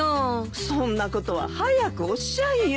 そんなことは早くおっしゃいよ。